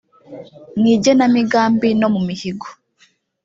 mu igenamigambi no mu mihigo